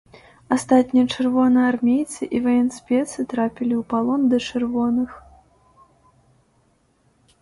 Астатнія чырвонаармейцы і ваенспецы трапілі ў палон да чырвоных.